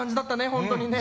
本当にね。